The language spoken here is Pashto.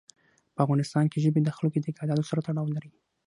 په افغانستان کې ژبې د خلکو اعتقاداتو سره تړاو لري.